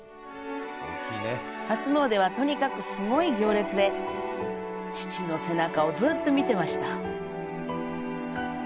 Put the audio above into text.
初詣は、とにかくすごい行列で、父の背中をずっと見ていました。